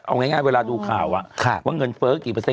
เอาง่ายเวลาดูข่าวว่าเงินเฟ้อกี่เปอร์เซ็